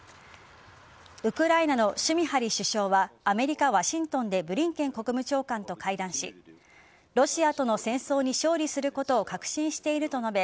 ウクライナのシュミハリ首相はアメリカ・ワシントンでブリンケン国務長官と会談しロシアとの戦争に勝利することを確信していると述べ